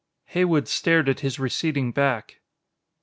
Heywood stared at his receding back.